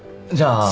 じゃあ。